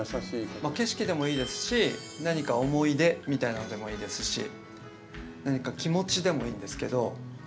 景色でもいいですし何か思い出みたいなのでもいいですし何か気持ちでもいいんですけど。